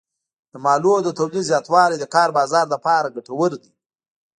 د مالونو د تولید زیاتوالی د کار بازار لپاره ګټور دی.